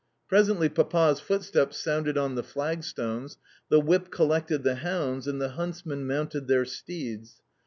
Presently Papa's footsteps sounded on the flagstones, the whip collected the hounds, and the huntsmen mounted their steeds.